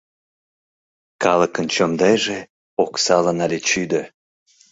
Калыкын чондайже оксалан але чӱдӧ.